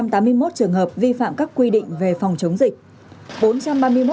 ba trăm tám mươi một trường hợp vi phạm về an ninh trật tự